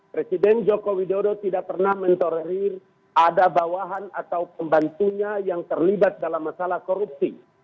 presiden joko widodo tidak pernah mentorir ada bawahan atau pembantunya yang terlibat dalam masalah korupsi